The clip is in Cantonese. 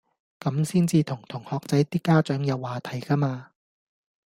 咁先至同同學仔啲家長有話題㗎嘛